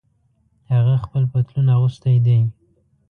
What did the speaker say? هغه خپل پتلون اغوستۍ دي